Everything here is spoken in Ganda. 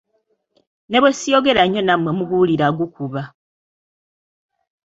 Ne bwe siyogera nnyo nammwe muguwulira gukuba.